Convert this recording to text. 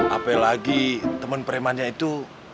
apalagi temen perempuannya itu